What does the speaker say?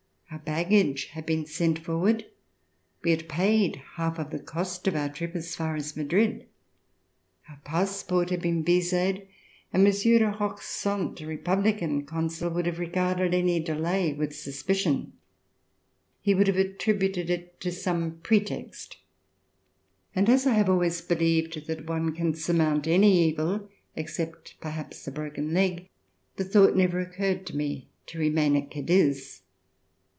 Our baggage had been sent forward. We had paid half of the cost of our trip as far as Madrid. DEPARTURE FOR EUROPE Our passport had been vised and Monsieur de Roquesante, a Republican Consul, would have re garded any delay with suspicion. He would have attributed it to some pretext, and as 1 have always believed that one can surmount any evil, except perhaps a broken leg, the thought never occurred to me to remain at Cadiz.